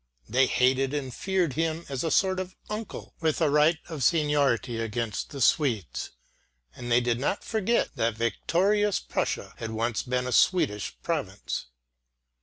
They hated and feared him as a sort of uncle with a right of seniority against the Swedes, and they did not forget that victorious Prussia had once been a Swedish province.